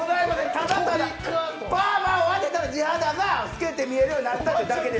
ただただ、パーマを当てた地肌が老けて見えるようになったという。